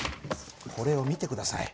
これを見てください。